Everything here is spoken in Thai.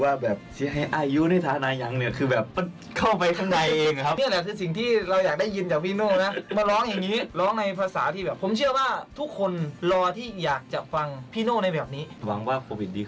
นอกจากได้มาอัดเพลงนึกอันแล้วหวังว่าจะมีคอนเสิร์ตด้วย